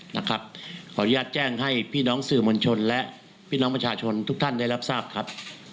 ขออนุญาตแจ้งให้พี่น้องสื่อมวลชนและพี่น้องประชาชนทุกท่านได้รับทราบครับ